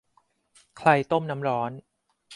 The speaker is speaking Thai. ใครต้มน้ำร้อน ?